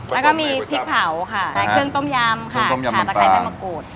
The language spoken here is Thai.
และก็มีพริกเผาคืองต้มยำถ่ายสะไข่๋แมลมะกูต